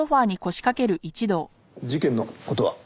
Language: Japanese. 事件の事は？